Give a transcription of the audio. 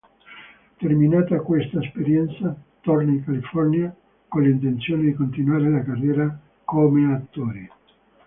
Terminata questa esperienza, torna in California, con l'intenzione di continuare la carriera come attore.